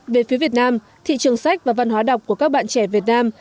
về phía việt nam thị trường sách và văn hóa đọc của các bạn trẻ việt nam